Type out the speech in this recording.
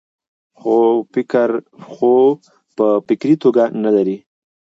خو پۀ فکري توګه نۀ لري -